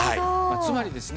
つまりですね